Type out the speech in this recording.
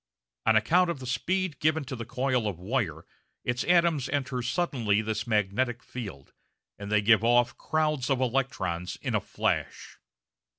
On account of the speed given to the coil of wire its atoms enter suddenly this magnetic field, and they give off crowds of electrons in a flash.